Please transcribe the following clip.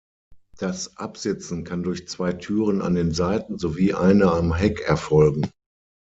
Das Absitzen kann durch zwei Türen an den Seiten sowie eine am Heck erfolgen.